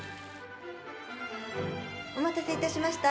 お待たせいたしました。